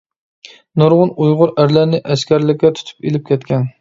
نۇرغۇن ئۇيغۇر ئەرلەرنى ئەسكەرلىككە تۇتۇپ ئېلىپ كەتكەن.